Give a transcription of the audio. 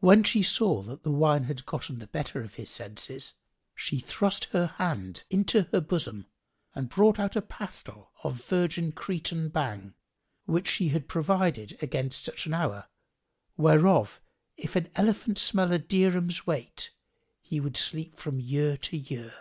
When she saw that the wine had gotten the better of his senses, she thrust her hand into her bosom and brought out a pastile of virgin Cretan Bhang, which she had provided against such an hour, whereof if an elephant smelt a dirham's weight, he would sleep from year to year.